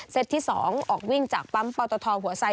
เซ็ตที่สองออกวิ่งจากปั๊มปธหัวไส่